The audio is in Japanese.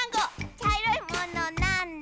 「ちゃいろいものなんだ？」